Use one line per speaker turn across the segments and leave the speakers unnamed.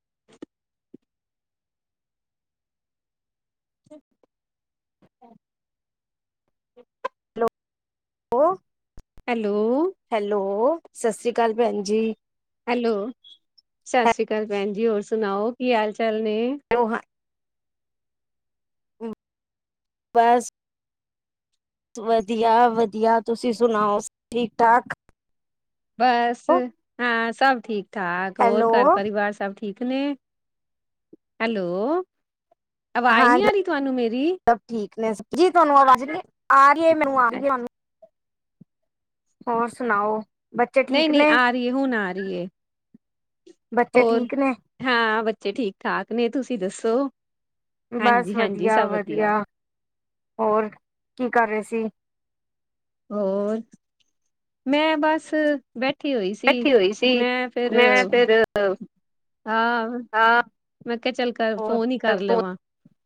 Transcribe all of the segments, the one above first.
[inaudible] [inaudible]
ੳ
hello
hello, ਸਤਿ ਸ਼੍ਰੀ ਅਕਾਲ ਭੈਨ ਜੀ।
ਹੈਲੋ, ਸਤਿ ਸ੍ਰੀ ਅਕਾਲ ਭੈਣ ਜੀ। ਹੋਰ ਸੁਣਾਓ, ਕੀ ਹਾਲ ਚਾਲ ਨੇ?
ੳਹ ਹਾਂ ਬਸ ਵਧੀਆ, ਵਧੀਆ। ਤੁਸੀ ਸੁਣਾਓ, ਠੀਕ ਠਾਕ।
ਬਸ
ਹੋ?
ਹਾਂ, ਸਭ ਠੀਕ ਠਾਕ। ਹੋਰ
ਹੈਲੋ
ਘਰ ਪਰਿਵਾਰ ਸਭ ਠੀ ਠੀਕ ਨੇ। ਹੈਲੋ, ਅਵਾਜ਼ ਨੀ ਆ ਰੀ ਤੁਹਾਨੂੰ ਮੇਰੀ?
ਸਬ ਠੀਕ ਨੇ, ਜੀ ਤਾਨੂ ਅਵਾਜ਼ ਨੀ, ਆ ਰੀ ਏ, ਮੈਨੂੰ ਆ ਰੀ
ਅੱ-
ਏ ਤਾਨੂ ਹੋਰ ਸੁਨਾਓ?
ਨਈ, ਨਈ ਆ ਰੀ ਏ, ਹੁਨ ਆ ਰੀ ਏ।
ਬੱਚੇ
ਹੋਰ,
ਠੀਕ ਨੇ
ਹਾਂ ਬੱਚੇ ਠੀਕ-ਠਾਕ ਨੇ। ਤੁਸੀ ਦੱਸੋ?
ਬਸ
ਹਾਂਜੀ ਹਾਂਜੀ ਸਭ ਵਧੀਆ
ਵਧੀਆ-ਵਧੀਆ। ਹੋਰ ਕੀ ਕਰ ਰੇ ਸੀ?
ਹੋਰ, ਮੈਂ ਬਸ ਬੈਠੀ ਹੋਈ ਸੀ,
ਬੈਠੀ ਹੋਈ ਸੀ
ਮੈਂ ਫੇਰ
ਮੈਂ ਫਿਰ
ਅਹ,
ਹਾਂ
ਮੈਂ ਕੇਆ ਚੱਲ ਕਰ ਫੋਨ ਈ ਕਰ
ਹੋਰ
ਲਵਾਂ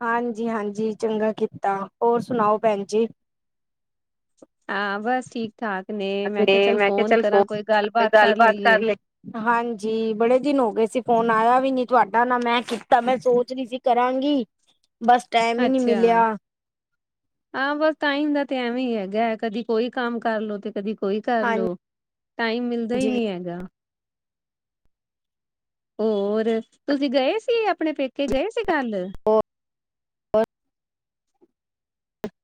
ਹਾਂਜੀ, ਹਾਂਜੀ ਚੰਗਾ ਕੀਤਾ। ਔਰ ਸੁਨਾਓ ਭੈਨ ਜੀ।
ਆਂ ਬੱਸ ਠੀਕ-ਠਾਕ ਨੇ, ਮੈਂ ਕੇਆ ਚੱਲ ਫੋਨ ਕਰਾਂ ਕੋਈ ਗੱਲਬਾਤ ਕਰ ਲਈਏ।
ਹਾਂਜੀ, ਬੜੇ ਦਿਨ ਹੋਗੇ ਸੀ ਫੋਨ ਆਏਆ ਵੀ ਨੀ ਤੁਆਡਾ ਨਾ ਮੈ ਕੀਤਾ, ਮੈ ਸੋਚ ਰੀ ਸੀ ਕਰਾਂਗੀ ਬਸ ਟੈਮ ਈ ਨੀ ਮਿਲਆ
ਆ ਬਸ ਟਾਇਮ ਦਾ ਤੇ ਐਵੇਂ ਈ ਹੇਗਾ ਐ, ਕਦੀ ਕੋਈ ਕਾਮ ਕਰ ਲੋ ਤੇ ਕਦੀ ਕੋਈ ਕਰ ਲੋ
ਹਾਂਜੀ
ਟਾਈਮ ਮਿਲਦਾ ਈ ਨੀ ਹੇਗਾ। ਹੋਰ, ਤੁਸੀ ਗਏ ਸੀ ਅਪਨੇ ਪੇਕੇ, ਗਏ ਸੀ ਕਲ।
[unintelligible]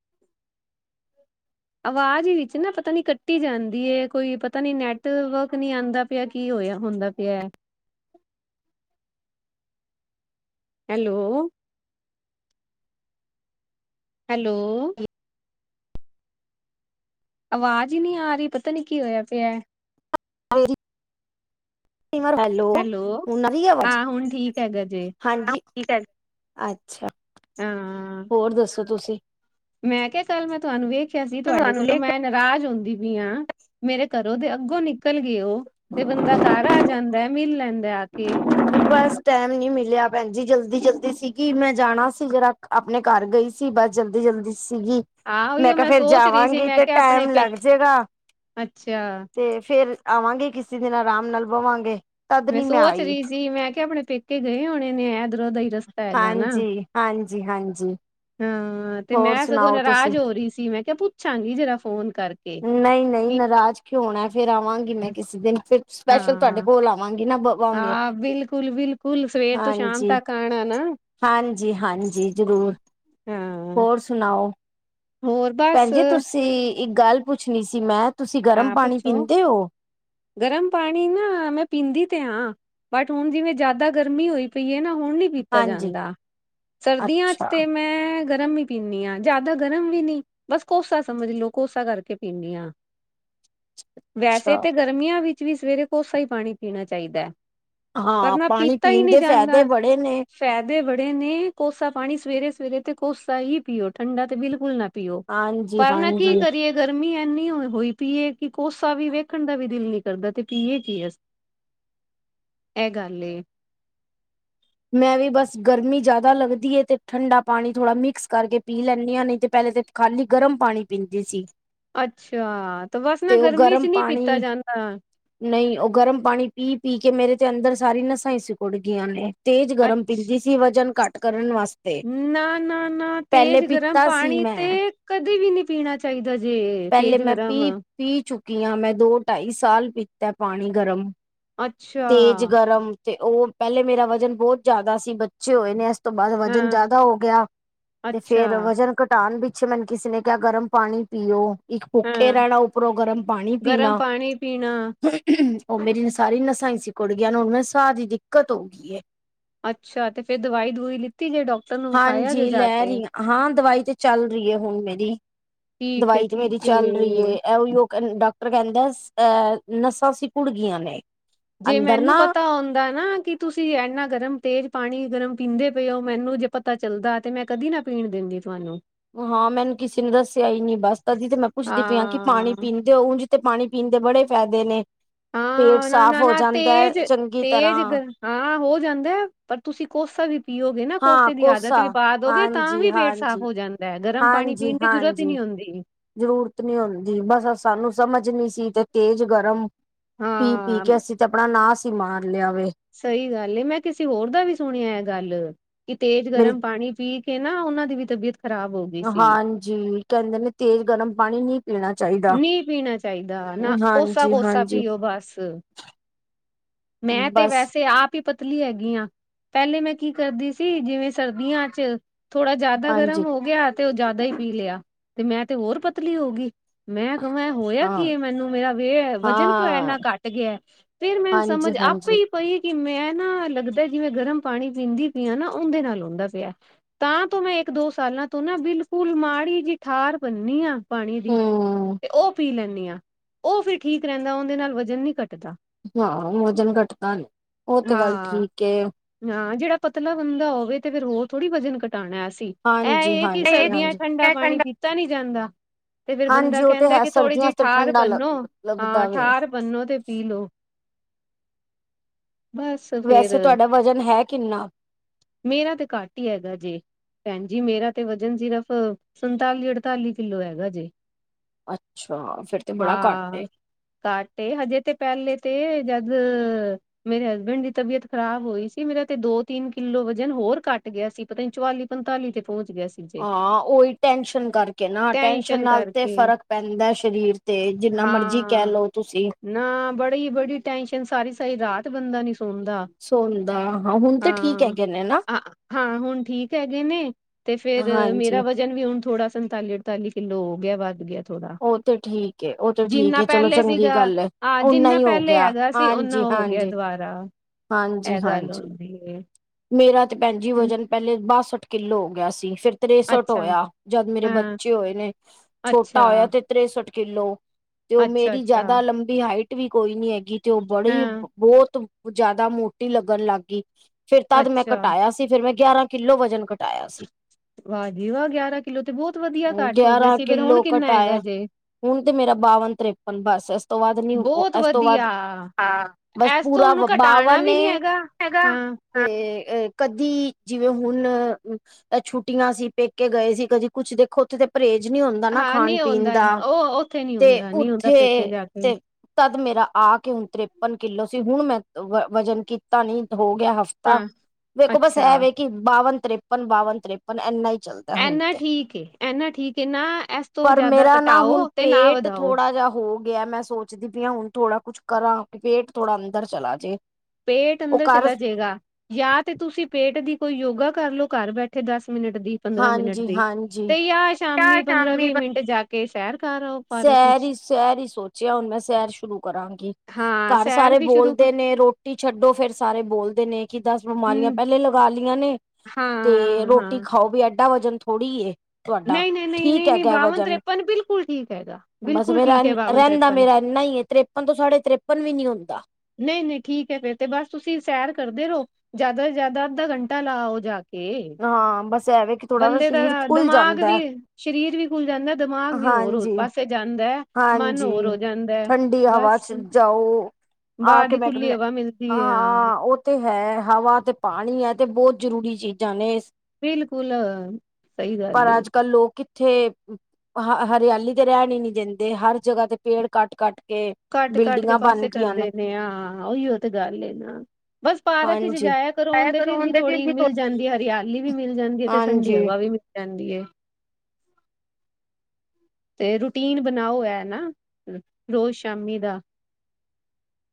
ਅਵਾਜ ਵਿੱਚ ਨਾ ਪਤਾ ਨੀ ਕੱਟੀ ਜਾਂਦੀ ਏ ਕੋਈ ਪਤਾ ਨੀ ਨੈਟਵੱਰਕ ਨੀ ਆਂਦਾ ਪਿਆ, ਕੀ ਹੋਏਆ ਹੁੰਦਾ ਪੇਆ। ਹੈਲੋ ਹੈਲੋ ਅਵਾਜ ਈ ਨੀ ਆ ਰੀ, ਪਤਾ ਨੀ ਕੀ ਹੋਏਆ ਪੇਆ।
[inaudible] ਹੈਲੋ, ਹੁਨ ਆ ਰੀ ਏ ਅਵਾਜ,
ਹਾਂ ਹੁਣ ਠੀਕ ਹੈਗਾ ਜੇ
ਹਾਂਜੀ ਅੱਛਾ,
ਹਾਂ
ਹੋਰ ਦੱਸੋ ਤੁਸੀ?
ਮੈਂ ਕੇਆ ਕਲ ਮੈਂ ਤੁਆਨੂੰ ਵੇਖੇਆ ਸੀ, ਤੁਆਡੇ ਕੋਲੋਂ ਮੈਂ ਨਰਾਜ ਹੋਂਦੀ ਪੀ ਆ, ਮੇਰੇ ਘਰੋਂ ਦੇ ਅੱਗੋ ਨਿਕਲ ਗੇ ਓ ਤੇ ਬੰਦਾ ਘਰ ਆ ਜਾ ਜਾਂਦਾ ਏ, ਮਿਲ ਲੈਂਦਾ ਆ ਕੇ।
ਬਸ ਟੈਮ ਈ ਨੀ ਮਿਲਆ ਭੈਨ ਜੀ, ਜਲਦੀ- ਜਲਦੀ ਸੀਗੀ ਮੈਂ ਜਾਨਾ ਸੀ ਜਰਾ ਅਪਨੇ ਘਰ ਗਈ ਸੀ, ਬਸ ਜਲਦੀ-ਜਲਦੀ ਸੀਗੀ।
ਆਹ
ਮੈਂ
ਉਹੀਓ
ਕੇਆ ਫੇਰ
ਸੋਚ ਰਹੀ ਸੀ
ਜਾਵਾਂਗੀ
ਮੈਂ
ਤੇ
ਕਿਹਾ ਆਪਣੇ
ਟੈੱਮ
ਪੇ
ਲਗ ਜੇਗਾ
ਅੱਛਾ
ਤੇ ਫੇਰ ਆਵਾਂਗੀ ਕਿਸੀ ਦਿਨ ਅਰਾਮ ਨਾਲ ਬਵਾਂਗੇ। ਤਦ
ਮੈਂ
ਨੀ
ਸੋਚ
ਆਈ
ਰੀ ਸੀ, ਮੈਂ ਕੇਆ ਅਪਨੇ ਪੇਕੇ ਗਏ ਹੋਨੇ ਨੇ ਏਧਰੋਂ ਦਾ ਈ ਰਸਤਾ ਹੈਗਾ ਨਾ
ਹਾਂਜੀ ਹਾਂਜੀ ਹਾਂਜੀ
ਹਾਂ, ਤੇ
ਹੋਰ
ਮੈਂ ਸਗੋਂ
ਸੁਣਾਓ ਤੁਸੀਂ
ਨਰਾਜ ਹੋਰੀ ਸੀ। ਮੈਂ ਕੇਆ ਪੁੱਛਾਂਗੀ ਜਰਾ ਫੋਨ ਕਰਕੇ।
ਨਈ-ਨਈ
ਕੀ
ਨਰਾਜ ਕਿਓ ਓਣੈ ਫੇਰ ਆਵਾਂਗੇ ਮੈਂ ਕਿਸੀ ਦਿਨ ਫੇਰ ਸਪੈਸ਼ਲ ਤੁਆਡੇ
ਹਾਂ
ਕੋਲ ਆਵਾਂਗੀ ਨਾ ਬ ਬਵਾਗੇ
ਹੁਨ ਸਵੇਰ ਤੋਂ ਸ਼ਾਮ ਤੱਕ ਆਣਾ ਨਾ।
ਹਾਂਜੀ, ਹਾਂਜੀ ਜਰੂਰ,
ਹਾਂ
ਹੋਰ ਸੁਨਾਓ?
ਹੋਰ ਬਸ
ਤੇ, ਇੱਕ ਗੱਲ ਪੁੱਛਨੀ ਸੀ ਮੈਂ। ਤੁਸੀਂ ਗਰਮ
ਹਾਂ
ਪਾਣੀ
ਪੁੱਛੋ,
ਪੀਂਦੇ ਹੋ
ਗਰਮ ਪਾਣੀ ਨਾ ਮੈਂ ਪੀਂਦੀ ਤੇ ਆਂ। ਬੱਟ ਹੁਨ ਜਿਵੇਂ ਜਆਦਾ ਗਰਮੀ ਓਈ ਪਈ ਏ ਨਾ ਹੁਨ ਨੀ ਪੀ ਤਾ
ਹਾਂਜੀ
ਜਾਂਦਾ, ਸਰਦੀਆਂ ਚ
ਅੱਛਾ
ਤੇ ਮੈਂ ਗਰਮ ਈ ਪੀਂਨੀ ਆ ਜਾਦਾ ਗਰਮ ਵੀ ਨੀ, ਬੱਸ ਕੋਸਾ ਸਮਜ ਲੋ ਕੋਸਾ ਕਰਕੇ ਪੀਨੀ ਆ।
[inaudible]
ਵੈਸੇ ਤੇ ਗਰਮੀਆਂ ਵਿੱਚ ਵੀ ਸਵੇਰੇ ਕੋਸਾ ਈ ਪਾਣੀ ਪੀਣਾ ਚਾਈਦੈ। ਪਰ
ਹਾਂ
ਨਾ
ਪਾਣੀ
ਪੀਤਾ ਈ
ਪੀਣ
ਨੀ
ਦੇ ਫਾਇਦੇ
ਜਾਂਦਾ।
ਬੜੇ ਨੇ
ਫੈਦੇ ਬੜੇ ਨੇ, ਕੋਸਾ ਪਾਣੀ ਸਵੇਰੇ-ਸਵੇਰੇ ਤੇ ਕੋਸਾ ਈ ਪੀਓ ਠੰਡਾ ਤੇ ਬਿਲਕੁਲ ਨਾ ਪੀਓ,
ਹਾਂਜੀ
ਪਰ ਨਾ ਕੀ
ਹਾਂਜੀ
ਕਰੀਏ ਗਰਮੀ ਐਨੀ ਕੋਈ ਪੀਏ, ਕਿ ਕੋਸਾ ਵੀ ਵੇਖਨ ਦਾ ਵੀ ਦਿਲ ਨੀ ਕਰਦਾ ਤੇ ਪੀਏ ਕੀ ਅਸ ਐਹ ਗੱਲ ਏ।
ਮੈਂ ਵੀ ਬਸ ਗਰਮੀ ਜਆਦਾ ਲੱਗਦੀ ਏ ਤੇ ਠੰਡਾ ਪਾਣੀ ਥੋੜ੍ਹਾ ਮਿਕਸ ਕਰਕੇ ਪੀ ਲੈਨੀ ਆ ਨ‌ਈ ਤੇ ਪਹਿਲੇ ਤੇ ਖਾਲੀ ਗਰਮ ਪਾਣੀ ਪੀਂਦੀ ਸੀ।
ਅੱਛਾ ਤੇ ਬਸ ਨਾ ਗਰਮੀ ਚ ਨੀ ਪੀਤਾ ਜਾਂਦਾ।
ਨ‌ਈ ਓ ਗਰਮ ਪਾਣੀ ਪੀ-ਪੀ ਕੇ ਮੇਰੇ ਤੇ ਅੰਦਰ ਸਾਰੀ ਨਸਾਂ ਈ ਸੀਕੁੜ ਗਈਆ ਨੇ। ਤੇਜ਼ ਗਰਮ ਪੀਂਦੀ ਸੀ ਵਜ਼ਨ ਘੱਟ ਕਰਨ ਵਾਸ
ਨਾ, ਨਾ, ਨਾ ਤੇਜ਼ ਗਰਮ
ਪੀਤਾ ਸੀ
ਪਾਣੀ ਤੇ
ਮੈਂ
ਕਦੇ ਵੀ ਨੀ ਪੀਣਾ ਚਾਈਦਾ ਜੇ
ਪਹਿਲੇ
ਤੇਜ਼
ਮੈਂ
ਗਰਮ।
ਪੀ ਪੀ ਚੁੱਕੀ ਆ ਮੈਂ ਦੋ-ਢਾਈ ਸਾਲ ਪੀਤਾ ਪਾਣੀ ਗਰਮ।
ਅੱਛਾ,
ਤੇਜ਼ ਗਰਮ ਤੇ ਓ ਪਹਿਲੇ ਮੇਰਾ ਵਜਨ ਬਹੁਤ ਜਾਦਾ ਸੀ ਬੱਚੇ ਹੋਏ ਨੇ ਓਸ ਤੋਂ ਬਾਅਦ ਵਜਨ
ਹਾਂ,
ਜਾਦਾ ਹੋ ਗਿਆ ਤੇ
ਅੱਛਾ,
ਫੇਰ ਵਜਨ ਘੱਟ ਟਾਨ ਪਿੱਛੇ ਮੈਨੂੰ ਕਿਸੇ ਨੇ ਕਿਆ ਗਰਮ ਪਾਣੀ ਪੀਓ। ਇੱਕ ਭੁੱਖੇ
ਹਾਂ,
ਰਹਿਣਾ ਉੱਪਰੋਂ ਗਰਮ ਪਾਣੀ
ਗਰਮ
ਪੀਣਾ,
ਪਾਣੀ ਪੀਣਾ
ਓ ਮੇਰੀ ਸਾਰੀਆ ਨਸਾਂ ਈ ਸੀਕੁੜ ਗੀਆ ਹੁਣ ਮੈਨੂੰ ਸਾਹ ਦੀ ਦਿੱਕਤ ਹੋ ਗਈਏ।
ਅੱਛਾ ਤੇ ਫੇਰ ਦਵਾਈ ਦਵੂਈ ਲਿੱਤੀ ਜੇ ਡੋਕ
ਹਾਂਜੀ ਲੈ ਰਹੀ ਆ, ਹਾਂ ਦਵਾਈ ਤੇ ਚੱਲ ਰਹੀ ਐ ਹੁਣ ਮੇਰੀ।
ਠੀਕ ਏ,
ਦਵਾਈ ਤੇ
ਠੀਕ
ਮੇਰੀ ਚੱਲ ਰਹੀ ਐ,
ਏ।
ਐਹ ਓਈਓ ਕਹਿ ਡਾਕ ਟਰ ਕਹਿੰਦਾ ਅਹ ਨਸਾਂ ਸੀਕੁੜ ਗੀਆ ਨੇ।
ਜੇ
ਅੰਦਰ
ਮੈਨੂੰ
ਨਾ
ਪਤਾ ਹੁੰਦਾ ਨਾ ਕਿ ਤੁਸੀਂ ਐਨਾ ਗਰਮ ਤੇਜ਼ ਪਾਣੀ ਗਰਮ ਪੀਂਦੇ ਪਏ ਓ ਮੈਨੂੰ ਜੇ ਪਤਾ ਚੱਲਦਾ ਤੇ ਮੈਂ ਕਦੀ ਨਾ ਪੀਣ ਦਿੰਦੀ ਤੁਹਾਨੂੰ।
ਹਾਂ ਮੈਨੂੰ ਕਿਸੀ ਨੇ ਦੱਸਿਆ ਹੀ ਨੀ ਬਸ, ਤਦੀ ਤੇ ਮੈਂ ਪੁੱਛਦੀ ਪਈ ਆ ਕਿ ਪਾਣੀ
ਹਾਂ।
ਪੀਣ ਤੇ ਊਂਝ ਤੇ ਪਾਣੀ ਪੀਣ ਦੇ ਬੜੇ ਫੈਦੇ ਨੇ‌। ਪੇਟ
ਹਾਂ
ਸਾਫ਼ ਹੋ
ਨਾ-ਨਾ-ਨਾ
ਜਾਂਦਾ
ਤੇਜ਼
ਚੰਗੀ
ਤੇਜ਼ ਗ
ਤਰ੍ਹਾਂ।
ਹਾਂ ਹੋ ਜਾਂਦਾ, ਪਰ ਤੁਸੀਂ ਕੋਸਾ ਵੀ ਪੀਓਗੇ ਨਾ
ਹਾਂ
ਕੋਸੇ ਦੀ ਆਦਤ
ਕੋਸਾ
ਵੀ ਪਾ ਦੋਗੇ ਤਾਂ
ਹਾਂਜੀ
ਵੀ ਪੇਟ ਸਾਫ਼
ਹਾਂਜੀ
ਹੋ ਜਾਂਦਾ ਐ ਗਰਮ ਪਾਣੀ
ਹਾਂਜੀ
ਪੀਣ ਦੀ ਜ਼ਰੂਰਤ ਈ
ਹਾਂਜੀ
ਨੀ ਹੁੰਦੀ।
ਜ਼ਰੂਰਤ ਨੀ ਹੁੰਦੀ ਬਸ ਸਾਨੂੰ ਸਮਝ ਨੀ ਸੀ ਤੇ ਤੇਜ਼ ਗਰਮ ਪੀ-ਪੀ
ਹਾਂ
ਕੇ ਅਸੀਂ ਤੇ ਆਪਣਾ ਨਾਂਸ ਈ ਮਾਰ ਲਿਆ ਵੇ।
ਸਹੀ ਗੱਲ ਐ, ਮੈਂ ਕਿਸੇ ਹੋਰ ਦਾ ਵੀ ਸੁਣਿਐ ਗੱਲ ਕਿ ਤੇਜ਼
ਮੇਰੀ
ਗਰਮ ਪਾਣੀ ਪੀ ਕਿ ਨਾ ਉਨਾਂ ਦੀ ਵੀ ਤਬੀਅਤ ਖਰਾਬ ਹੋ ਗਈ‌।
ਹਾਂਜੀ ਕਹਿੰਦੇ ਨੇ ਤੇਜ਼ ਗਰਮ ਪਾਣੀ ਨਹੀਂ ਪੀਣਾ ਚਾਹੀਦਾ।
ਨੀ ਪੀਣਾ ਚਾਹੀਦਾ ਨਾ ਕੋਸਾ
ਹਾਂਜੀ
ਕੋਸਾ
ਹਾਂਜੀ
ਪੀਓ ਬਸ। ਮੈਂ ਤੇ
ਬਸ
ਵੈਸੇ ਆਪ ਵੀ ਪਤਲੀ ਹੈਗੀ ਆ ਪਹਿਲੇ ਮੈਂ ਕੀ ਕਰਦੀ ਸੀ ਜਿਵੇਂ ਸਰਦੀਆਂ ਚ ਥੋੜਾ ਜਿਆਦਾ ਗਰਮ
ਹਾਂਜੀ
ਹੋ ਗਿਆ ਤੇ ਉਹ ਜ਼ਿਆਦਾ ਹੀ ਪੀ ਲਿਆ ਤੇ ਮੈਂ ਤੇ ਹੋਰ ਪਤਲੀ ਹੋ ਗਈ। ਮੈਂ ਕਵਾਂ ਹੋਇਆ
ਹਾਂ
ਕੀ ਹੈ ਮੈਨੂੰ ਮੇਰਾ ਵੇਹ ਵਜਨ ਕਿਉ
ਹਾਂ
ਇੰਨਾ ਘੱਟ ਗਿਆ। ਫਿਰ ਮੈਂਨੂੰ
ਹਾਂਜੀ
ਸਮਝ
ਹਾਂਜੀ
ਆਪੇ ਈ ਪਈ ਕਿ ਮੈਂ ਨਾ ਲੱਗਦਾ ਜਿਵੇਂ ਗਰਮ ਪਾਣੀ ਪੀਂਦੀ ਪਈ ਨਾ ਉਹਦੇ ਨਾਲ ਹੁੰਦਾ ਪਿਆ। ਤਾਂ ਤੋਂ ਮੈਂ ਇੱਕ ਦੋ ਸਾਲਾਂ ਤੋਂ ਨਾ ਬਿਲਕੁਲ ਮਾੜੀ ਜਿਹੀ ਠਾਰ ਭੰਨੀ ਆ ਪਾਣੀ ਦੀ।
ਹਮ
ਤੇ ਉਹ ਪੀ ਲੈਂਨੀ ਆ ਉਹ ਫਿਰ ਠੀਕ ਰਹਿੰਦਾ ਉਹਦੇ ਨਾਲ ਵਜ਼ਨ ਨਈ ਘੱਟਦਾ।
ਹਾਂ ਵਜਨ ਘੱਟਦਾ ਨਈ ਉਹ ਤੇ ਗੱਲ
ਹਾਂ।
ਠੀਕ ਏ
ਹਾਂ ਜਿਹੜਾ ਪਤਲਾ ਬੰਦਾ ਹੋਵੇ ਤੇ ਫ਼ਿਰ ਹੋਰ ਥੋੜ੍ਹੀ ਵਜਨ ਘਟਾਉਣਾ ਅਸੀ। ਇਹ
ਹਾਂਜੀ
ਇਹ ਕਿ
ਹਾਂਜੀ ਹਾਂਜੀ
ਸਰਦੀਆਂ ਚ ਠੰਡਾ ਪਾਣੀ ਪੀਤਾ ਨੀ ਜਾਂਦਾ। ਤੇ ਫਿਰ ਬੰਦਾ
ਹਾਂਜੀ ਉਹ ਤੇ
ਕਹਿੰਦਾ
ਹੈ
ਕਿ ਥੋੜ੍ਹੀ
ਸਰਦੀਆਂ
ਜਿਹੀ
ਤੇ
ਠਾਰ
ਠੰਡਾ
ਭਨੋ
ਲੱਗ
ਹਾਂ
ਲੱਭਦਾ ਵੇ
ਠਾਰ ਭਨੋ ਤੇ ਪੀ ਲਓ। ਬਸ ਫੇਰ
ਵੈਸੇ ਤੁਹਾਡਾ ਵਜ਼ਨ ਹੈ ਕਿੰਨਾ‌?
ਮੇਰਾ ਤੇ ਘੱਟ ਹੀ ਹੈਗਾ ਜੇ। ਭੈਣ ਜੀ ਮੇਰਾ ਤੇ ਵਜਨ ਸਿਰਫ਼ ਸੰਤਾਲੀ ਅਠਤਾਲੀ ਕਿੱਲੋ ਹੈਗਾ ਜੇ।
ਅੱਛਾ ਫਿਰ ਤੇ ਬੜਾ ਘੱਟ
ਹਾਂ
ਏ।
ਘੱਟ ਏ ਹਜੇ ਤੇ ਪਹਿਲੇ ਤੇ ਜਦ ਮੇਰੇ ਹਸਬੈਂਡ ਦੀ ਤਬੀਅਤ ਖ਼ਰਾਬ ਹੋਈ ਸੀ ਮੇਰਾ ਤੇ ਦੋ ਤਿੰਨ ਕਿੱਲੋ ਵਜਨ ਹੋਰ ਘੱਟ ਗਿਆ ਸੀ। ਪਤਾ ਨੀ ਚੁਆਲੀ-ਪੰਤਾਲੀ ਤੇ ਪਹੁੰਚ ਗਿਆ ਸੀ। ਜੇ
ਹਾਂ ਉਹੀ ਟੈਸ਼ਨ ਕਰਕੇ ਨਾ ਟੈਸ਼ਨ ਨਾਲ ਤੇ ਫ਼ਰਕ ਪੈਂਦਾ ਸ਼ਰੀਰ ਤੇ ਜਿੰਨਾ ਮਰਜ਼ੀ ਕਹਿ
ਹਾਂ
ਲਓ ਤੁਸੀਂ।
ਨਾ ਬੜੀ-ਬੜੀ ਟੈਂਨਸ਼ਨ ਸਾਰੀ-ਸਾਰੀ ਰਾਤ ਬੰਦਾ ਨੀ ਸੌਂਦਾ
ਸੋਣਦਾ ਹਾਂ ਹੁਣ ਤੇ ਠੀਕ
ਹਾਂ।
ਹੈਗੇ ਨੇ ਨਾ
ਹਾਂ ਹੁਣ ਠੀਕ ਹੈਗੇ ਨੇ। ਤੇ ਫੇਰ ਮੇਰਾ
ਹਾਂਜੀ।
ਵਜਨ ਵੀ ਹੁਣ ਥੋੜਾ ਸੰਤਾਲੀ- ਅੜਤਾਲੀ ਕਿੱਲੋ ਹੋ ਗਿਆ ਵੱਧ ਗਿਆ ਥੋੜਾ।
ਉਹ ਤੇ ਠੀਕ ਏ ਉਹ ਤੇ ਠੀਕ
ਜਿੰਨਾ
ਏ ਚਲੋ
ਪਹਿਲੇ
ਚੰਗੀ
ਸੀਗਾ
ਗੱਲ ਏ।
ਹਾਂ
ਓਨਾ
ਜਿੰਨਾ
ਹੀ ਹੋ
ਪਹਿਲੇ
ਗਿਆ
ਹੈਗਾ ਸੀ ਉਨਾ
ਹਾਂਜੀ,
ਹੋ ਗਿਆ
ਹਾਂਜੀ,
ਦੁਬਾਰਾ।
ਹਾਂਜੀ,
ਇਹ ਗੱਲ
ਹਾਂਜੀ।
ਹੁੰਦੀ ਏ
ਮੇਰਾ ਤੇ ਭੈਣ ਜੀ
ਹੂੰ,
ਵਜਨ ਪਹਿਲੇ ਬਾਸਠ ਕਿੱਲੋ ਹੋ ਗਿਆ ਸੀ ਫਿਰ ਤਰੇਸਠ
ਅੱਛਾ
ਹੋਇਆ। ਜਦ ਮੇਰੇ
ਹਾਂ
ਬੱਚੇ ਹੋਏ ਨੇ ਛੋਟਾ,
ਅੱਛਾ
ਹੋਇਆ ਤੇ ਤਰੇਸਠ ਕਿੱਲੋ ਤੇ ਉਹ
ਅੱਛਾ
ਮੇਰੀ
ਅੱਛਾ
ਜ਼ਿਆਦਾ ਲੰਬੀ ਹਾਈਟ ਵੀ ਕੋਈ ਨੀ ਹੈਗੀ ਤੇ ਜੋ ਬੜੀ
ਹਾਂ
ਬਹੁਤ ਜ਼ਿਆਦਾ ਮੋਟੀ ਲੱਗਣ ਲੱਗ ਗਈ। ਫਿਰ ਤਦ ਮੈਂ
ਅੱਛਾ
ਘਟਾਇਆ ਸੀ। ਤੇ ਫਿਰ ਮੈਂ ਗਿਆਰਾਂ ਕਿੱਲੋ ਵਜਨ ਘਟਾਇਆ ਸੀ।
ਵਾਹ ਜੀ ਵਾਹ, ਗਿਆਰਾਂ ਕਿੱਲੋ ਤੇ ਬਹੁਤ ਵਧੀਆ ਘੱਟ ਹੋ ਗਿਆ
ਗਿਆਰਾਂ
ਸੀ ਫੇਰ ਹੁਣ
ਕਿੱਲੋ
ਕਿੰਨਾ ਹੈਗਾ
ਘਟਾਇਆ
ਜੇ?
ਹੁਣ ਤੇ ਮੇਰਾ ਬਾਵਨ-ਤ੍ਰੇਪਨ ਬੱਸ ਇਸ ਤੋਂ ਵੱਧ ਨੀ
ਬਹੁਤ
ਇਸ ਤੋਂ ਵੱਧ।
ਵਧੀਆ
ਬਸ
ਇਸ ਤੋਂ
ਪੂਰਾ
ਉਹਨੂੰ ਘਟਾਣਾ
ਬਾਵਨ
ਵੀ ਨੀ
ਏ
ਹੈਗਾ
ਹੈਗਾ।
ਹਾਂ
ਤੇ ਅ ਕਦੀ, ਜਿਵੇਂ ਹੁਣ ਐ ਛੁੱਟੀਆਂ ਸੀ ਪੇਕੇ ਗਏ ਸੀ ਕਦੀ ਕੁੱਛ ਦੇਖੋ ਉੱਥੇ ਤੇ ਪਰਹੇਜ਼ ਨੀ ਹੁੰਦਾ ਨਾ
ਹਾਂ ਨਹੀਂ
ਖਾਣ-ਪੀਣ
ਹੁੰਦਾ
ਦਾ।
ਉਹ ਉੱਥੇ ਨੀ
ਤੇ
ਹੁੰਦਾ ਨੀ ਹੁੰਦਾ
ਉੱਥੇ
ਪੇਕੇ ਜਾ ਕੇ
ਤੇ ਤਦ ਮੇਰਾ ਆ ਕੇ ਹੁਣ ਤ੍ਰਰੇਪਨ ਕਿੱਲੋ ਸੀ ਹੁਣ ਮੈਂ ਵਜ਼ਨ ਕੀਤਾ ਨੀ ਹੋ ਗਿਆ ਹਫ ਤਾ
ਹਾਂ
ਵੇਖੋ ਬਸ
ਅੱਛਾ
ਇਹ ਵੇ ਕਿ ਬਾਵਨ-ਤ੍ਰੇਪਨ, ਬਾਵਨ-ਤ੍ਰੇਪਨ ਇੰਨਾ ਹੀ ਚੱਲਦਾ। ਹੁਣ
ਇਨਾ
ਤੇ।
ਠੀਕ ਏ ਇਨਾ ਠੀਕ ਏ ਨਾ ਇਸ ਤੋਂ
ਪਰ
ਜ਼ਿਆਦਾ
ਮੇਰਾ ਨਾ ਹੁਣ
ਘਟਾਓ ਤੇ ਨਾ
ਪੇਟ
ਵਧਾਓ
ਥੋੜਾ ਜਿਹਾ ਹੋ ਗਿਆ ਮੈਂ ਸੋਚਦੀ ਪਈ ਆ ਹੁਣ ਥੋੜਾ ਕੁਛ ਕਰਾਂ ਕਿ ਪੇਟ ਥੋੜਾ ਅੰਦਰ ਚਲਾ ਜੇ।
ਪੇਟ
ਉਹ
ਅੰਦਰ
ਕਰ
ਚਲਾ ਜਾਏਗਾ। ਯਾ ਤੇ ਤੁਸੀਂ ਪੇਟ ਦੀ ਕੋਈ ਯੋਗਾ ਕੱਰਲੋ ਘੱਰ ਬੈਠੇ ਦੱਸ ਮਿੰਟ ਦੀ। ਪੰਦਰਾ ਮਿੰਟ
ਹਾਂਜੀ
ਦੀ,
ਹਾਂਜੀ
ਤੇ ਯਾ
ਕਿਆ
ਸ਼ਾਮੀ ਪੰਦਰਾ-ਵੀਹ ਮਿੰਟ ਜਾ ਕੇ ਸ਼ੈਰ
ਸੈਰ ਈ, ਸੈਰ ਈ ਸੋਚੇਆ ਹੁਣ ਮੈਂ ਸੈਰ ਸ਼ੁਰੂ ਕਰਾਗੀ।
ਹਾਂ
ਘੱਰ
ਸੈਰ
ਸਾਰੇ
ਵੀ ਸ਼ੁਰੂ ਕਰ
ਬੋਲਦੇ ਨੇ ਰੋ ਟੀ ਛੱਡੋ ਫੇਰ ਸਾਰੇ ਬੋਲਦੇ ਨੇ ਕਿ ਦੱਸ ਬਿਮਾਰੀਆਂ
ਹਮ
ਪੈਲੇ ਲਗਾ ਲਈਆਂ ਨੇ ਤੇ
ਹਾਂ ਹਾਂ
ਰੋਟੀ ਖਾਓ ਵੀ ਐਡਾ ਵਜਨ ਥੋੜੀ ਏ। ਤੁਹਾਡਾ
ਨਈ, ਨਈ, ਨਈ,
ਠੀਕ
ਨਈ, ਨਈ ਬਾਵਨ-ਤ੍ਰਰੇਪਨ ਬਿਲਕੁਲ ਠੀਕ ਹੈਗਾ।
ਬੱਸ
ਬਿਲਕੁਲ
ਫੇਰ ਐਂ
ਠੀਕ ਹੈ ਬਾਵਨ
ਰੈੰਦਾ
ਤਿਰਪਨ
ਮੇਰਾ ਐਨਾ ਈ ਏ, ਤਰੇਪਨ ਤੋਂ ਸਾਡੇ ਤਰੇਪਨ ਵੀ ਨੀ ਹੁੰਦਾ।
ਨਈ-ਨਈ ਠੀਕ ੲੈ ਫੇਰ ਤੇ ਬੱਸ ਤੁਸੀਂ ਸੈਰ ਕਰਦੇ ਰੋ ਜਾਦਾ ਤੋਂ ਜਾਦਾ ਅੱਧਾ ਘੰਟਾ ਲਾਓ ਜਾ ਕੇ।
ਆਂ ਬੱਸ ਐਵੇਂ ਕ।
ਬੰਦੇ ਦਾ ਦਮਾਗ ਵੀ, ਸਰੀਰ ਵੀ ਖੁੱਲ ਜਾਂਦਾ, ਦਮਾਗ ਵੀ ਹੋਰ, ਹੋ
ਹਾਂਜੀ
ਪਾਸੇ ਜਾਂਦੈ
ਹਾਂਜੀ, ਠੰਡੀ ਹਵਾ ਚ ਜਾਓ। ਆ
ਬਾਹਰ
ਕੇ
ਦੀ
ਮੈਂ ਏਕ
ਖੁੱਲੀ
ਦੇਣਾ
ਹਵਾ ਮਿਲਦੀ ਹੈ ਹਾਂ
ਆ ਤੇ ਹੈ ਹਵਾ ਤੇ ਪਾਣੀ ੲੈ ਤੇ ਬੋਤ ਜਰੂਰੀ ਚੀਜ਼ਾਂ ਨੇ ਸ-
ਬਿਲਕੁਲ ਸਹੀ ਗੱਲ
ਪਰ
ਏ
ਅੱਜ-ਕੱਲ ਲੋਕ ਕਿੱ। ਥੇ, ਹ ਹਰਿਆਲੀ ਤੇ ਰੈਣ ਈ ਨੀ ਦਿੰਦੇ, ਹਰ ਜਗਾ ਤੇ ਪੇੜ ਕੱਟ-ਕੱਟ ਕੇ
ਕੱਟ-ਕੱਟ ਕੇ
ਬਿਲਡਿੰਗਾਂ ਬਣ
ਪਾਸੇ
ਗਈਆਂ
ਕਰਦੇ ਨੇ, ਆਂ ਓਈ ਓ ਤੇ ਗੱਲ ਏ ਨਾ। ਬਸ ਪਾਰਕ ਚ
ਹਾਂਜੀ
ਜਾਯਾ ਕਰੋ,
ਹੈ
ਓਦੇ
ਕੋਈ
ਚ ਈ ਅਣੀ ਥੋੜੀ ਮਿਲ ਜਾਂਦੀ ਐ ਹਰਿ ਲੀ ਵੀ ਮਿਲ ਜਾਂਦੀ ੲੈ ਤੇ
ਹਾਂਜੀ,
ਠੰਡੀ ਹਵਾ ਵੀ ਮਿਲ ਜਾਂਦੀ ਏ। ਤੇ ਰੂਟੀਨ ਬਣਾਓ ੲੈ ਨਾ, ਰੋਜ਼ ਸ਼ਾਮੀ ਦਾ।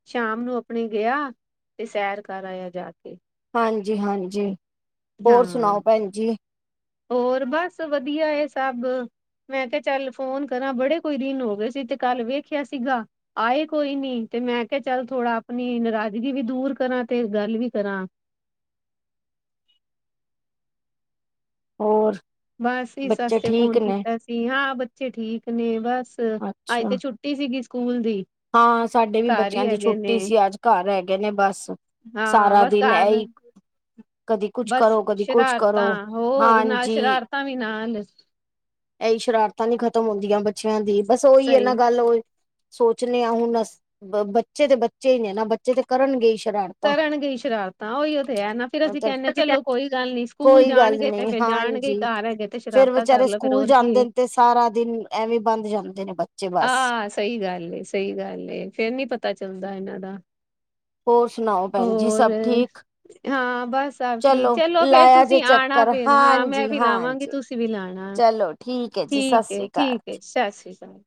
ਸ਼ਾਮ ਨੂੰ ਅਪਣੇ ਗੇਆ, ਤੇ ਸੈਰ ਕੱਰ ਆਏਆ ਜਾ ਕੇ
ਹਾਂਜੀ-ਹਾਂਜੀ।
ਹਾਂ, ਹੋਰ ਬੱਸ ਵਧੀਆ ਏ ਸੱਭ। ਮੈਂ ਕੇਆ ਚੱਲ ਫੋਨ ਕਰਾਂ, ਬੜੇ ਕੋਈ ਦਿਨ ਹੋ ਗੇ ਸੀ ਤੇ ਕੱਲ ਵੇਖਿਆ ਸੀਗਾ। ਆਏ ਕੋਈ ਨੀ, ਤੇ ਮੈਂ ਕੇਆ ਚੱਲ ਥੋੜਾ ਆਪਣੀ ਨਾਰਾਜ਼ਗੀ ਵੀ ਦੂਰ ਕਰਾਂ ਤੇ ਗੱਲ ਵੀ ਕਰਾਂ।
ਹੋਰ?
ਬੱਸ ਇਸ ਵਾਸ
ਬੱਚੇ
ਤੇ
ਠੀਕ
ਫੋਨ
ਨੇ
ਕੀਤਾ ਸੀ ਹਾਂ ਬੱਚੇ ਠੀਕ ਨੇ ਬਸ, ਅੱਜ
ਅੱਛਾ
ਤੇ ਛੁੱ ਟੀ ਸੀਗੀ ਸਕੂਲ ਦੀ।
ਹਾਂ ਸਾਡੇ ਵੀ
ਘਰ ਹੀ
ਬੱਚੇਆਂ ਦੀ
ਹੈਗੇ ਨੇ
ਛੁੱਟੀ ਸੀ, ਅੱਜ ਘੱਰ ਹੈਗੇ ਨੇ ਬੱਸ
ਹਾਂ
ਸਾਰਾ
ਬਸ
ਦਿਨ ਐਂ
ਘਰ
ਈ ਕਦੀ ਕੁਛ
ਬਸ
ਕਰੋ, ਕਦੀ ਕੁਛ
ਸ਼ਰਾਰਤਾਂ
ਕਰੋ,
ਹੋਰ ਨਾਲ
ਹਾਂਜੀ।
ਸ਼ਰਾਰਤਾਂ ਵੀ ਨਾਲ
ਐਈ ਸ਼ਰਾਰਤਾਂ ਨੀ ਖ਼ਤਮ ਹੁੰਦੀਆਂ ਬੱਚੇਆਂ ਦੀ ਬੱਸ ਓਈ ੲੈ ਨਾ
ਸਹੀ
ਗੱਲ ਓ ਚਣੇ ਆ ਹੁਣ ਅਸ, ਬ ਬੱਚੇ ਤੇ ਬੱਚੇ ਈ ਨੇ ਨਾ ਬੱਚੇ ਤੇ ਕਰਨਗੇ ਈ ਸ਼ਰਾ
ਕਰਨਗੇ ਈ ਸ਼ਰਾਰਤਾਂ ਓਈ ਓ ਤੇੇ ਹੈ ਨਾ ਫਿਰ ਅਸੀਂ ਕੈੰਦੇ ਹਾਂ ਚਲੋ ਕੋਈ ਗੱਲ ਨੀ ਸਕੂਲ ਜਾਣਗੇ ਤੇ ਫੇਰ ਜਾਣ
ਜੀ, ਫੇਰ ਵਚਾਰੇ ਸਕੂਲ
ਕੀ
ਜਾਂਦੇ
ਹੈ।
ਨੇ ਤੇ ਸਾਰਾ ਦਿਨ ਐਵੇਂ ਬੰਦ ਜਾਂਦੇ ਨੇ ਬੱਚੇ ਬੱਸ
ਸਈ ਗੱਲ ਏ, ਸਈ ਗੱਲ ਏ ਫੇਰ ਨੀ ਪਤਾ ਚੱਲਦਾ ਏਨਾਂ ਦਾ
ਹੋਰ ਸੁਣਾਓ ਭੈਣ ਜੀ
ਹੋਰ,
ਸਭ ਠੀਕ?
ਹਾਂ ਬੱਸ ਸੱਭ ਠੀਕ ਚਲੋ ਫੇਰ ਤੁ
ਲਾਇਆ ਜੇ
ਤਸੀਂ ਆਣਾ
ਚੱਕਰ
ਫੇਰ ਹਾਂ ਮੈਂ ਵੀ ਲਾਵਾਂਗੀ
ਹਾਂਜੀ-ਹਾਂਜੀ।
ਤੁਸੀਂ ਵੀ ਲਾਣਾ
ਚਲੋ ਹੈ ਜੀ ਸਤਿ
ਠੀਕ ਏ
ਸ੍ਰੀ ਅਕਾਲ।
ਠੀਕ ਸਾਸ਼੍ਰੀ ਕਾਲ।